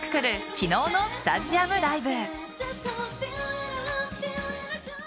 昨日のスタジアムライブ。